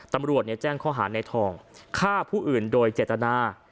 ตำรวจแจ้งข้อหาในทองฆ่าผู้อื่นโดยเจตนา